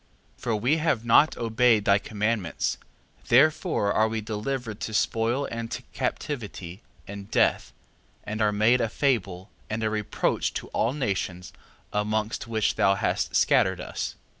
3:4. For we have not obeyed thy commandments, therefore are we delivered to spoil and to captivity, and death, and are made a fable, and a reproach to all nations, amongst which thou hast scattered us.